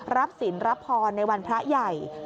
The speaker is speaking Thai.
รับสินรับพรในวันพระใหญ่